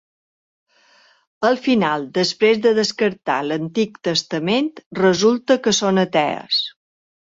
Al final, després de descartar l'Antic Testament, resulta que són atees.